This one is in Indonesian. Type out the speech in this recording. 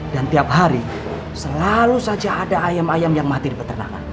dan tiap hari selalu saja ada ayam ayam yang mati di peternakan